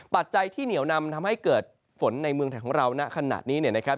ปัจจัยที่เหนียวนำทำให้เกิดฝนในเมืองไทยของเราณขณะนี้เนี่ยนะครับ